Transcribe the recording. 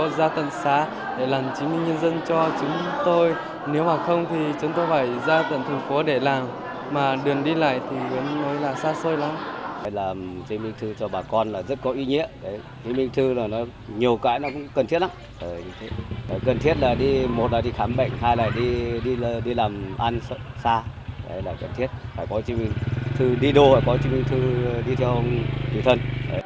đây là chứng minh thư cho bà con là rất có ý nghĩa chứng minh thư là nhiều cái nó cũng cần thiết lắm cần thiết là đi một là đi khám bệnh hai là đi làm ăn xa đây là cần thiết phải có chứng minh thư đi đô phải có chứng minh thư đi theo người thân